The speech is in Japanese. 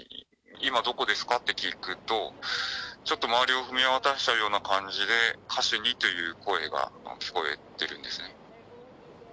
今どこですか？って聞くと、ちょっと周りを見渡したような感じで、カシュニという声が聞こえているんですね。